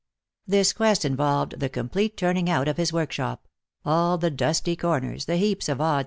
This quest involved the complete turning out of his workshop, — all the dustar corners, the heaps of odds 301 jjost for Love.